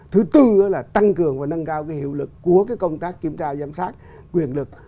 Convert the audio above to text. thứ tư là tăng cường và nâng cao hiệu lực của công tác kiểm tra giám sát quyền lực